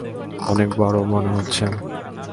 অনেক বড় মনে হচ্ছে।